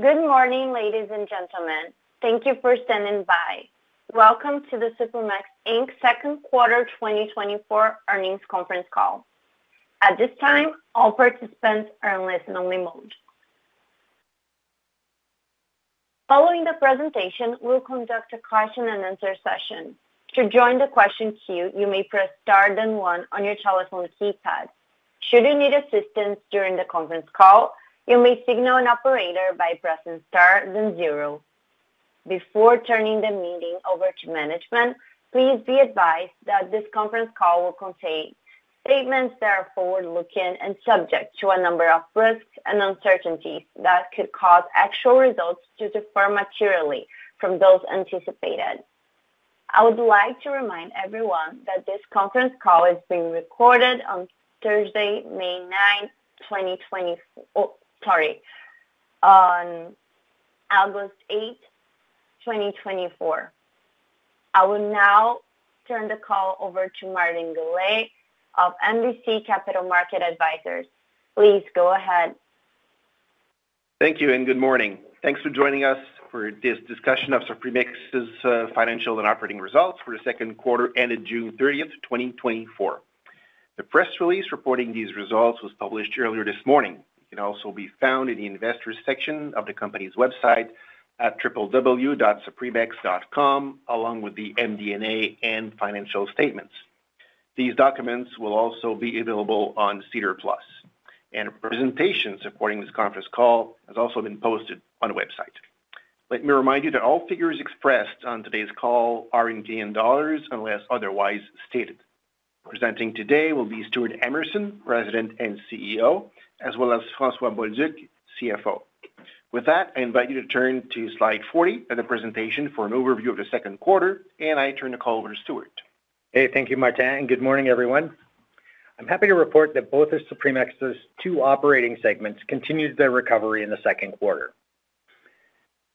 Good morning, ladies and gentlemen. Thank you for standing by. Welcome to the Supremex Inc. second quarter 2024 earnings conference call. At this time, all participants are in listen-only mode. Following the presentation, we'll conduct a question and answer session. To join the question queue, you may press star, then one on your telephone keypad. Should you need assistance during the conference call, you may signal an operator by pressing star, then zero. Before turning the meeting over to management, please be advised that this conference call will contain statements that are forward-looking and subject to a number of risks and uncertainties that could cause actual results to differ materially from those anticipated. I would like to remind everyone that this conference call is being recorded on Thursday, May 9, 2024... Oh, sorry, on August 8, 2024. I will now turn the call over to Martin Goulet of MBC Capital Markets Advisors. Please go ahead. Thank you and good morning. Thanks for joining us for this discussion of Supremex's financial and operating results for the second quarter ended June 30, 2024. The press release reporting these results was published earlier this morning. It can also be found in the investors section of the company's website at www.supremex.com, along with the MD&A and financial statements. These documents will also be available on SEDAR+, and a presentation supporting this conference call has also been posted on the website. Let me remind you that all figures expressed on today's call are in Canadian dollars, unless otherwise stated. Presenting today will be Stewart Emerson, President and CEO, as well as François Bolduc, CFO. With that, I invite you to turn to slide 40 of the presentation for an overview of the second quarter, and I turn the call over to Stewart. Hey, thank you, Martin, and good morning, everyone. I'm happy to report that both of Supremex's two operating segments continued their recovery in the second quarter.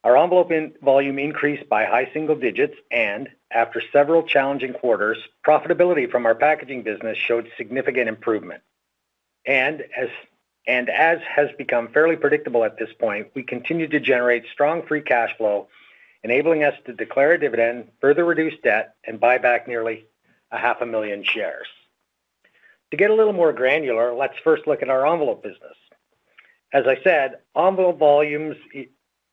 Our envelope volume increased by high single digits, and after several challenging quarters, profitability from our packaging business showed significant improvement. As has become fairly predictable at this point, we continue to generate strong free cash flow, enabling us to declare a dividend, further reduce debt, and buy back nearly 500,000 shares. To get a little more granular, let's first look at our envelope business. As I said, envelope volumes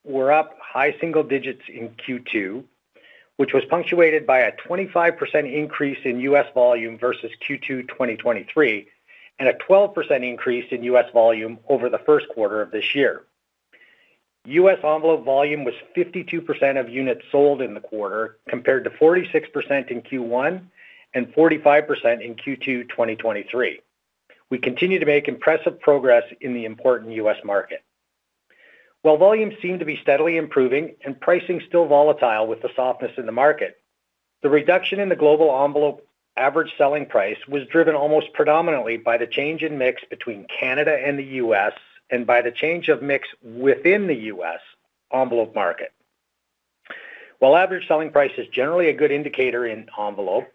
were up high single digits in Q2, which was punctuated by a 25% increase in U.S. volume versus Q2 2023, and a 12% increase in U.S. volume over the first quarter of this year. US envelope volume was 52% of units sold in the quarter, compared to 46% in Q1 and 45% in Q2 2023. We continue to make impressive progress in the important US market. While volumes seem to be steadily improving and pricing still volatile with the softness in the market, the reduction in the global envelope average selling price was driven almost predominantly by the change in mix between Canada and the U.S., and by the change of mix within the US envelope market. While average selling price is generally a good indicator in envelope,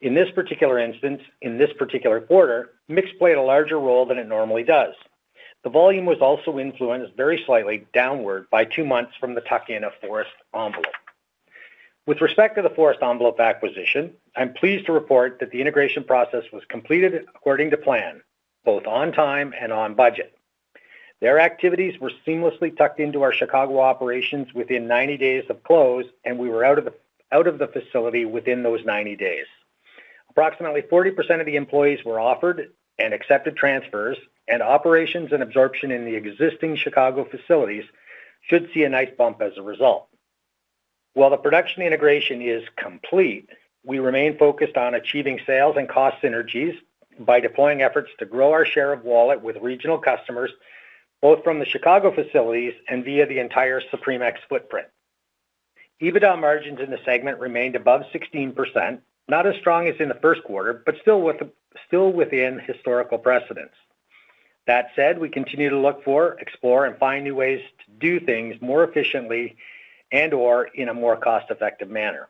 in this particular instance, in this particular quarter, mix played a larger role than it normally does. The volume was also influenced very slightly downward by two months from the Forest Envelope. With respect to the Forest Envelope acquisition, I'm pleased to report that the integration process was completed according to plan, both on time and on budget. Their activities were seamlessly tucked into our Chicago operations within 90 days of close, and we were out of the facility within those 90 days. Approximately 40% of the employees were offered and accepted transfers, and operations and absorption in the existing Chicago facilities should see a nice bump as a result. While the production integration is complete, we remain focused on achieving sales and cost synergies by deploying efforts to grow our share of wallet with regional customers, both from the Chicago facilities and via the entire Supremex footprint. EBITDA margins in the segment remained above 16%, not as strong as in the first quarter, but still within historical precedents. That said, we continue to look for, explore, and find new ways to do things more efficiently and/or in a more cost-effective manner.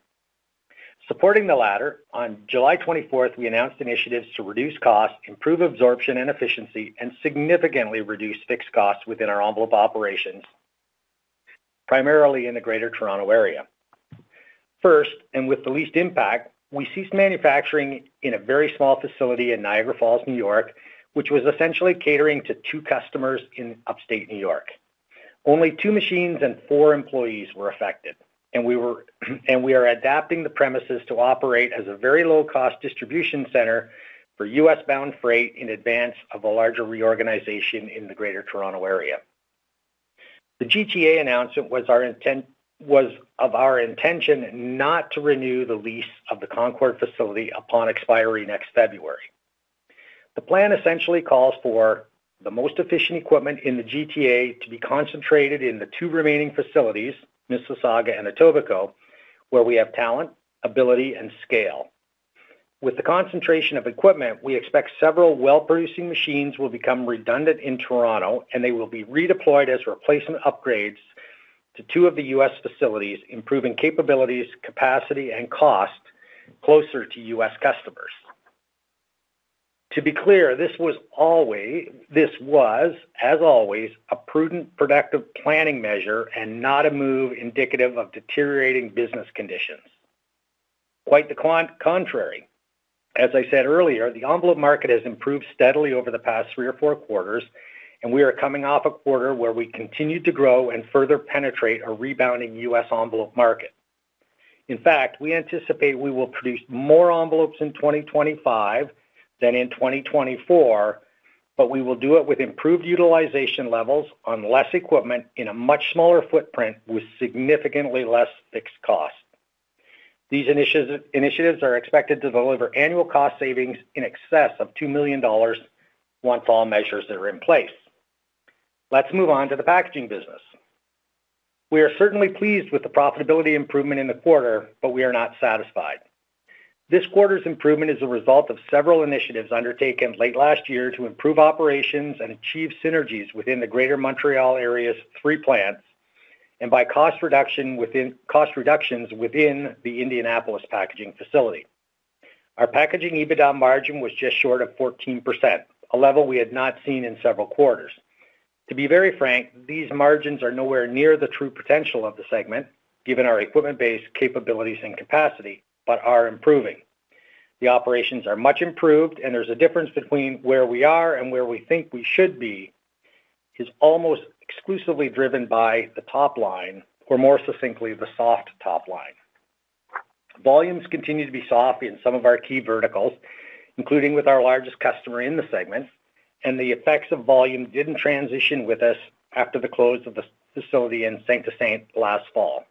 Supporting the latter, on July 24th, we announced initiatives to reduce costs, improve absorption and efficiency, and significantly reduce fixed costs within our envelope operations, primarily in the Greater Toronto Area. First, and with the least impact, we ceased manufacturing in a very small facility in Niagara Falls, New York, which was essentially catering to two customers in upstate New York. Only two machines and four employees were affected, and we were, and we are adapting the premises to operate as a very low-cost distribution center for U.S.-bound freight in advance of a larger reorganization in the Greater Toronto Area. The GTA announcement was our intent—was of our intention not to renew the lease of the Concord facility upon expiry next February. The plan essentially calls for the most efficient equipment in the GTA to be concentrated in the two remaining facilities, Mississauga and Etobicoke, where we have talent, ability, and scale. With the concentration of equipment, we expect several well-producing machines will become redundant in Toronto, and they will be redeployed as replacement upgrades to two of the US facilities, improving capabilities, capacity, and cost closer to US customers. To be clear, this was always, this was, as always, a prudent, productive planning measure and not a move indicative of deteriorating business conditions. Quite the contrary. As I said earlier, the envelope market has improved steadily over the past three or four quarters, and we are coming off a quarter where we continued to grow and further penetrate our rebounding US envelope market. In fact, we anticipate we will produce more envelopes in 2025 than in 2024, but we will do it with improved utilization levels on less equipment, in a much smaller footprint, with significantly less fixed cost. These initiatives are expected to deliver annual cost savings in excess of 2 million dollars once all measures are in place. Let's move on to the packaging business. We are certainly pleased with the profitability improvement in the quarter, but we are not satisfied. This quarter's improvement is a result of several initiatives undertaken late last year to improve operations and achieve synergies within the Greater Montreal Area's three plants, and by cost reductions within the Indianapolis packaging facility. Our packaging EBITDA margin was just short of 14%, a level we had not seen in several quarters. To be very frank, these margins are nowhere near the true potential of the segment, given our equipment base, capabilities, and capacity, but are improving. The operations are much improved, and there's a difference between where we are and where we think we should be, is almost exclusively driven by the top line, or more succinctly, the soft top line. Volumes continue to be soft in some of our key verticals, including with our largest customer in the segment, and the effects of volume didn't transition with us after the close of the facility in Saint-Hyacinthe last fall.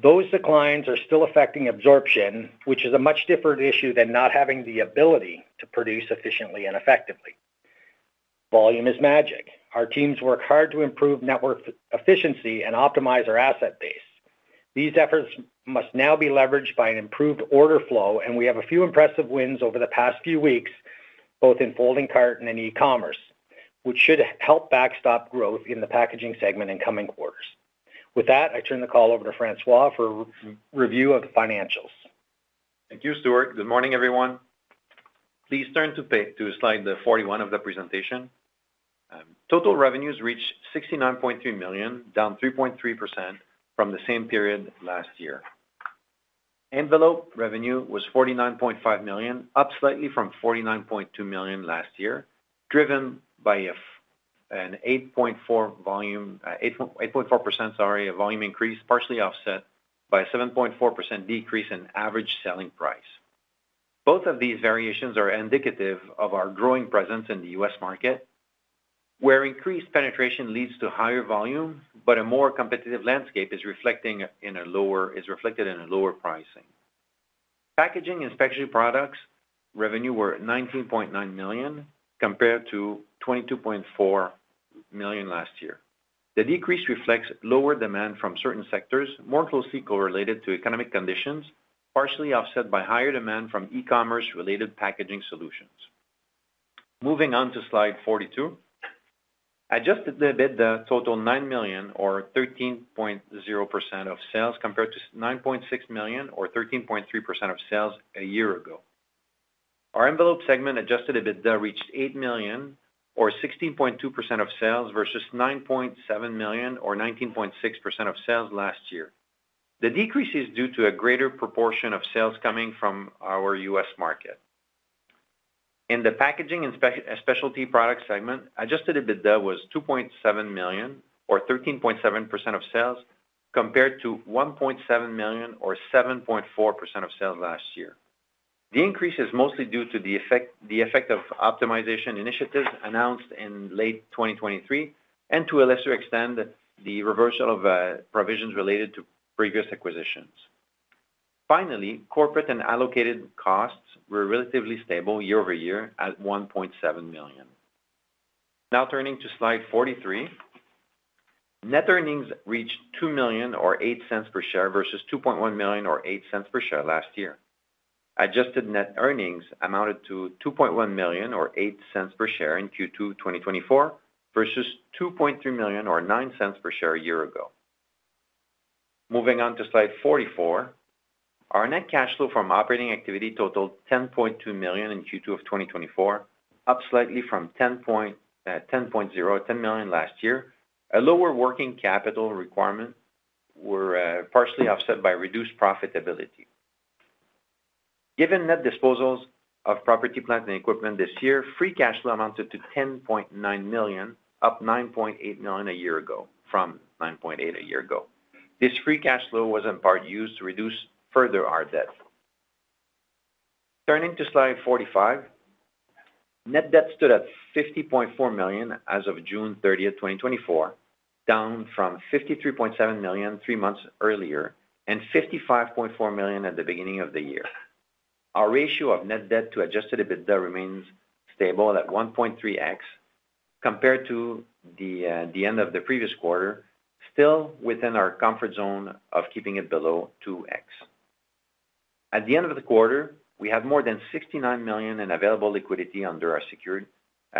Those declines are still affecting absorption, which is a much different issue than not having the ability to produce efficiently and effectively. Volume is magic. Our teams work hard to improve network efficiency and optimize our asset base. These efforts must now be leveraged by an improved order flow, and we have a few impressive wins over the past few weeks, both in folding carton and e-commerce, which should help backstop growth in the packaging segment in coming quarters. With that, I turn the call over to François for review of the financials. Thank you, Stewart. Good morning, everyone. Please turn to slide 41 of the presentation. Total revenues reached 69.3 million, down 3.3% from the same period last year. Envelope revenue was 49.5 million, up slightly from 49.2 million last year, driven by an 8.4% volume increase, partially offset by a 7.4% decrease in average selling price. Both of these variations are indicative of our growing presence in the US market, where increased penetration leads to higher volume, but a more competitive landscape is reflected in lower pricing. Packaging and specialty products revenue were 19.9 million, compared to 22.4 million last year. The decrease reflects lower demand from certain sectors, more closely correlated to economic conditions, partially offset by higher demand from e-commerce-related packaging solutions. Moving on to slide 42. Adjusted EBITDA total 9 million or 13.0% of sales, compared to 9.6 million or 13.3% of sales a year ago. Our envelope segment adjusted EBITDA reached 8 million or 16.2% of sales, versus 9.7 million or 19.6% of sales last year. The decrease is due to a greater proportion of sales coming from our U.S. market. In the packaging and specialty product segment, adjusted EBITDA was 2.7 million or 13.7% of sales, compared to 1.7 million or 7.4% of sales last year. The increase is mostly due to the effect, the effect of optimization initiatives announced in late 2023, and to a lesser extent, the reversal of provisions related to previous acquisitions. Finally, corporate and allocated costs were relatively stable year-over-year at 1.7 million. Now, turning to slide 43. Net earnings reached 2 million or 0.08 per share, versus 2.1 million or 0.08 per share last year. Adjusted net earnings amounted to 2.1 million or 0.08 per share in Q2 2024, versus 2.3 million or 0.09 per share a year ago. Moving on to slide 44. Our net cash flow from operating activity totaled 10.2 million in Q2 of 2024, up slightly from ten point, ten point zero or 10 million last year. A lower working capital requirement were partially offset by reduced profitability. Given net disposals of property, plant, and equipment this year, free cash flow amounted to 10.9 million, up 9.8 million a year ago, from 9.8 million a year ago. This free cash flow was in part used to reduce further our debt. Turning to slide 45. Net debt stood at 50.4 million as of June 30, 2024, down from 53.7 million three months earlier, and 55.4 million at the beginning of the year. Our ratio of net debt to adjusted EBITDA remains stable at 1.3x, compared to the end of the previous quarter, still within our comfort zone of keeping it below 2x. At the end of the quarter, we had more than 69 million in available liquidity under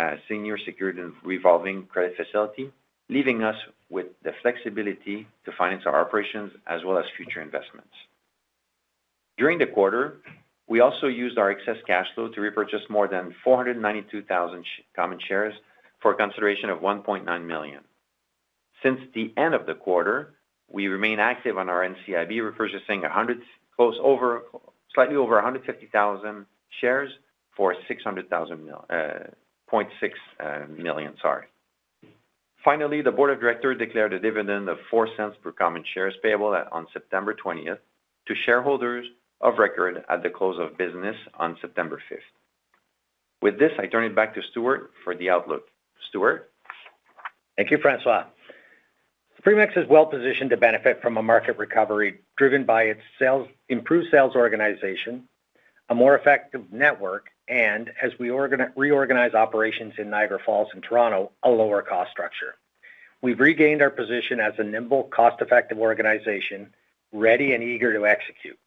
our senior secured and revolving credit facility, leaving us with the flexibility to finance our operations as well as future investments. During the quarter, we also used our excess cash flow to repurchase more than 492,000 common shares for a consideration of 1.9 million. Since the end of the quarter, we remain active on our NCIB, repurchasing slightly over 150,000 shares for 0.6 million. Finally, the board of directors declared a dividend of 4 cents per common shares payable on September twentieth, to shareholders of record at the close of business on September fifth. With this, I turn it back to Stewart for the outlook. Stewart? Thank you, François. Supremex is well-positioned to benefit from a market recovery driven by its sales, improved sales organization, a more effective network, and as we reorganize operations in Niagara Falls and Toronto, a lower cost structure. We've regained our position as a nimble, cost-effective organization, ready and eager to execute.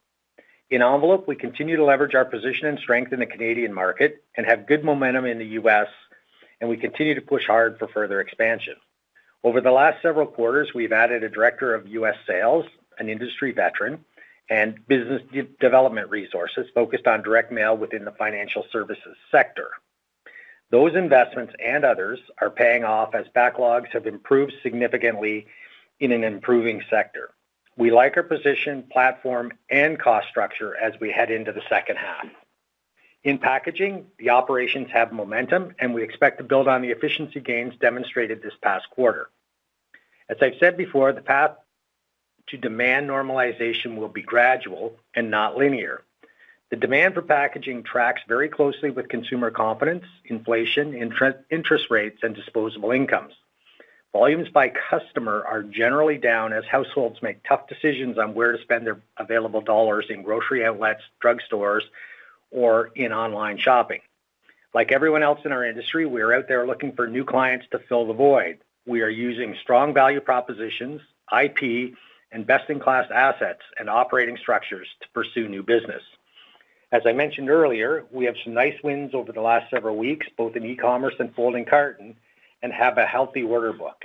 In envelope, we continue to leverage our position and strength in the Canadian market and have good momentum in the U.S., and we continue to push hard for further expansion. Over the last several quarters, we've added a director of US sales, an industry veteran, and business development resources focused on direct mail within the financial services sector. Those investments and others are paying off as backlogs have improved significantly in an improving sector. We like our position, platform, and cost structure as we head into the second half. In packaging, the operations have momentum, and we expect to build on the efficiency gains demonstrated this past quarter. As I've said before, the path to demand normalization will be gradual and not linear. The demand for packaging tracks very closely with consumer confidence, inflation, interest rates, and disposable incomes. Volumes by customer are generally down as households make tough decisions on where to spend their available dollars in grocery outlets, drugstores, or in online shopping. Like everyone else in our industry, we are out there looking for new clients to fill the void. We are using strong value propositions, IP, and best-in-class assets and operating structures to pursue new business. As I mentioned earlier, we have some nice wins over the last several weeks, both in e-commerce and folding carton, and have a healthy order book.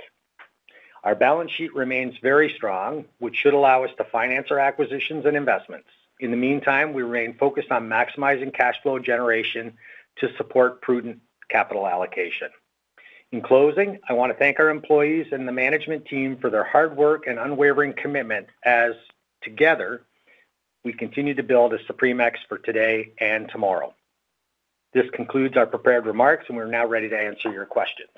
Our balance sheet remains very strong, which should allow us to finance our acquisitions and investments. In the meantime, we remain focused on maximizing cash flow generation to support prudent capital allocation. In closing, I want to thank our employees and the management team for their hard work and unwavering commitment as together, we continue to build a Supremex for today and tomorrow. This concludes our prepared remarks, and we're now ready to answer your questions.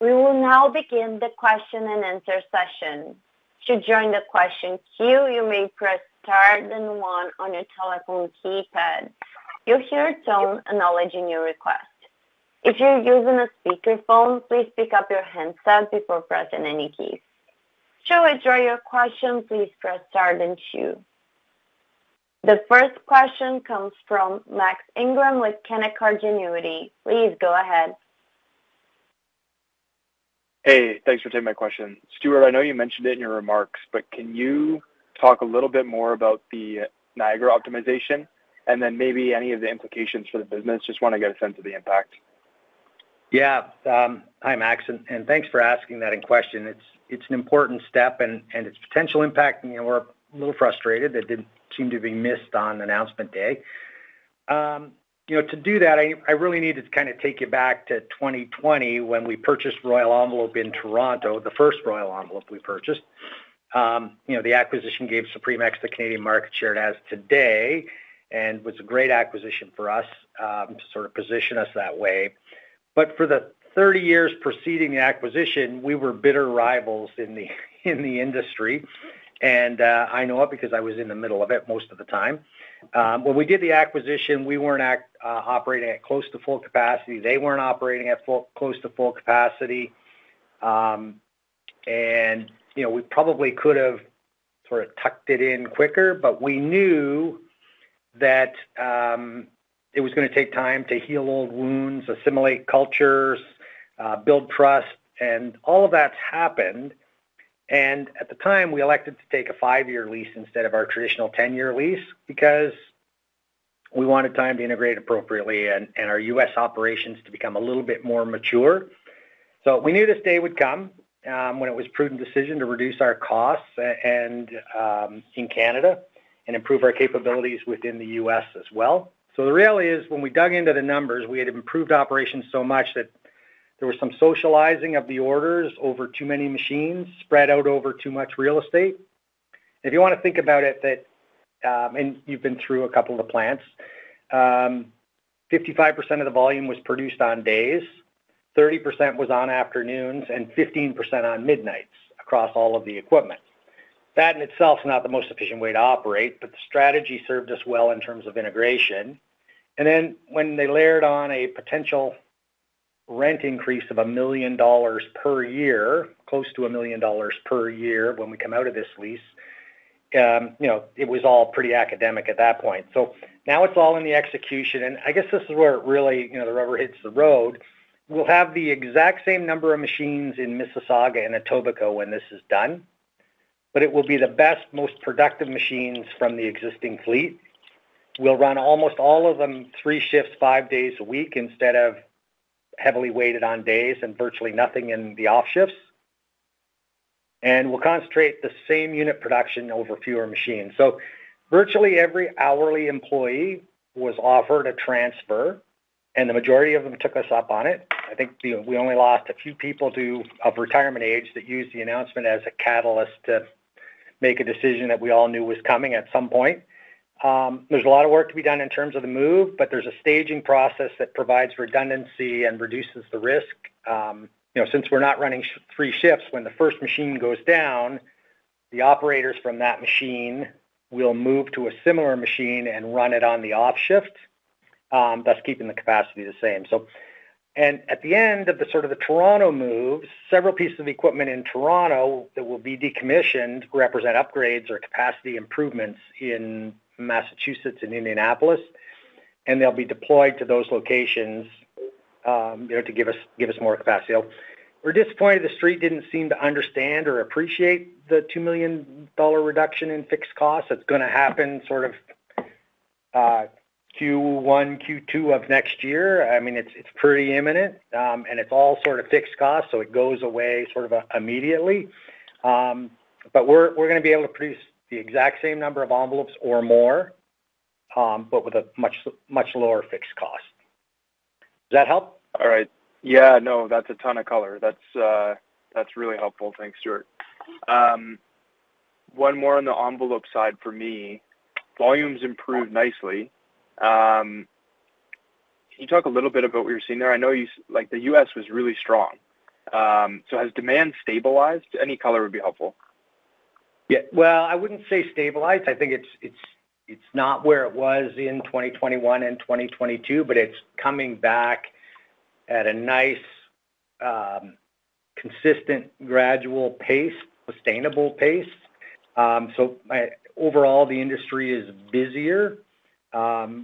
We will now begin the question and answer session. To join the question queue, you may press star then one on your telephone keypad. You'll hear a tone acknowledging your request. If you're using a speakerphone, please pick up your handset before pressing any keys. To withdraw your question, please press star then two. The first question comes from Max Ingram with Canaccord Genuity. Please go ahead. Hey, thanks for taking my question. Stewart, I know you mentioned it in your remarks, but can you talk a little bit more about the Niagara optimization and then maybe any of the implications for the business? Just want to get a sense of the impact. Yeah. Hi, Max, and thanks for asking that question. It's an important step, and its potential impact, you know, we're a little frustrated. That didn't seem to be missed on announcement day. To do that, I really need to kind of take you back to 2020, when we purchased Royal Envelope in Toronto, the first Royal Envelope we purchased. The acquisition gave Supremex the Canadian market share it has today and was a great acquisition for us, to sort of position us that way. But for the 30 years preceding the acquisition, we were bitter rivals in the industry, and I know it because I was in the middle of it most of the time. When we did the acquisition, we weren't actually operating at close to full capacity. They weren't operating close to full capacity. You know, we probably could have sort of tucked it in quicker, but we knew that it was gonna take time to heal old wounds, assimilate cultures, build trust, and all of that's happened. At the time, we elected to take a 5-year lease instead of our traditional 10-year lease because we wanted time to integrate appropriately and our U.S. operations to become a little bit more mature. We knew this day would come, when it was a prudent decision to reduce our costs in Canada and improve our capabilities within the U.S. as well. The reality is, when we dug into the numbers, we had improved operations so much that there was some socializing of the orders over too many machines, spread out over too much real estate. If you want to think about it, that, and you've been through a couple of the plants, 55% of the volume was produced on days, 30% was on afternoons, and 15% on midnights across all of the equipment. That in itself is not the most efficient way to operate, but the strategy served us well in terms of integration. Then when they layered on a potential rent increase of $1 million per year, close to $1 million per year when we come out of this lease, you know, it was all pretty academic at that point. Now it's all in the execution, and I guess this is where it really, you know, the rubber hits the road. We'll have the exact same number of machines in Mississauga and Etobicoke when this is done... But it will be the best, most productive machines from the existing fleet. We'll run almost all of them three shifts, five days a week, instead of heavily weighted on days and virtually nothing in the off shifts. And we'll concentrate the same unit production over fewer machines. So virtually every hourly employee was offered a transfer, and the majority of them took us up on it. I think we only lost a few people to of retirement age that used the announcement as a catalyst to make a decision that we all knew was coming at some point. There's a lot of work to be done in terms of the move, but there's a staging process that provides redundancy and reduces the risk. You know, since we're not running three shifts, when the first machine goes down, the operators from that machine will move to a similar machine and run it on the off shift, thus keeping the capacity the same. And at the end of the sort of the Toronto move, several pieces of equipment in Toronto that will be decommissioned represent upgrades or capacity improvements in Massachusetts and Indianapolis, and they'll be deployed to those locations, you know, to give us, give us more capacity. So we're disappointed the street didn't seem to understand or appreciate the $2 million reduction in fixed costs. That's gonna happen sort of, Q1, Q2 of next year. I mean, it's, it's pretty imminent, and it's all sort of fixed costs, so it goes away sort of, immediately. But we're gonna be able to produce the exact same number of envelopes or more, but with a much, much lower fixed cost. Does that help? All right. Yeah, no, that's a ton of color. That's, that's really helpful. Thanks, Stewart. One more on the envelope side for me. Volumes improved nicely. Can you talk a little bit about what you're seeing there? I know you-- like, the US was really strong. So has demand stabilized? Any color would be helpful. Yeah. Well, I wouldn't say stabilized. I think it's not where it was in 2021 and 2022, but it's coming back at a nice, consistent, gradual pace, sustainable pace. So, overall, the industry is busier,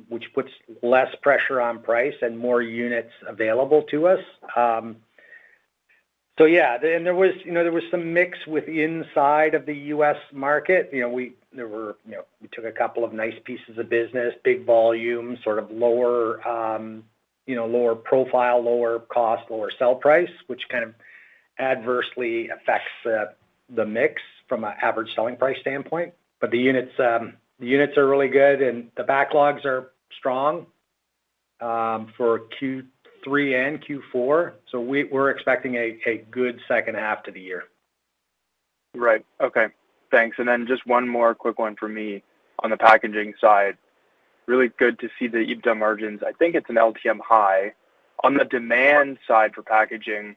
which puts less pressure on price and more units available to us. So yeah, and there was, you know, there was some mix with inside of the US market. You know, we took a couple of nice pieces of business, big volumes, sort of lower, you know, lower profile, lower cost, lower sell price, which kind of adversely affects the mix from an average selling price standpoint. But the units, the units are really good and the backlogs are strong, for Q3 and Q4, so we're expecting a good second half to the year. Right. Okay, thanks. And then just one more quick one for me on the packaging side. Really good to see the EBITDA margins. I think it's an LTM high. On the demand side for packaging,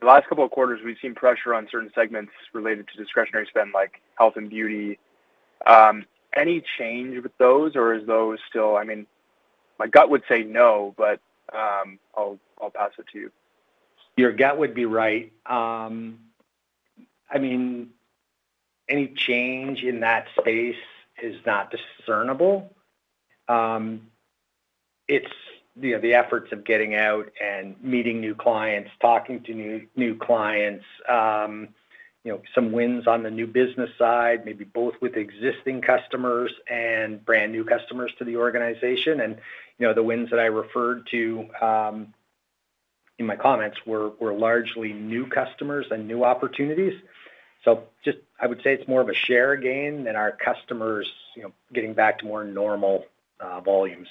the last couple of quarters, we've seen pressure on certain segments related to discretionary spend, like health and beauty. Any change with those, or is those still... I mean, my gut would say no, but, I'll, I'll pass it to you. Your gut would be right. I mean, any change in that space is not discernible. It's, you know, the efforts of getting out and meeting new clients, talking to new, new clients, you know, some wins on the new business side, maybe both with existing customers and brand new customers to the organization. And, you know, the wins that I referred to in my comments were largely new customers and new opportunities. So just I would say it's more of a share gain than our customers, you know, getting back to more normal volumes.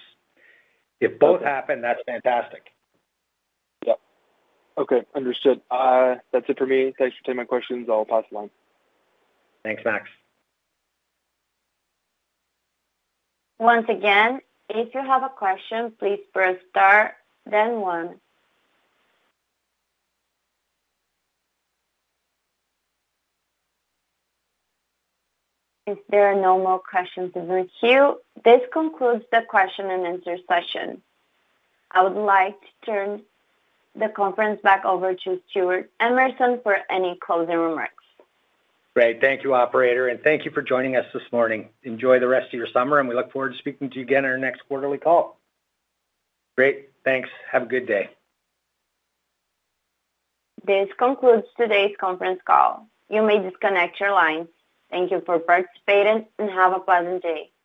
If both happen, that's fantastic. Yep. Okay, understood. That's it for me. Thanks for taking my questions. I'll pass the line. Thanks, Max. Once again, if you have a question, please press Star, then One. If there are no more questions in the queue, this concludes the question and answer session. I would like to turn the conference back over to Stewart Emerson for any closing remarks. Great. Thank you, operator, and thank you for joining us this morning. Enjoy the rest of your summer, and we look forward to speaking to you again on our next quarterly call. Great. Thanks. Have a good day. This concludes today's conference call. You may disconnect your line. Thank you for participating, and have a pleasant day.